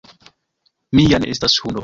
Mi ja ne estas hundo!